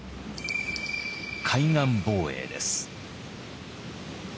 海岸防衛です。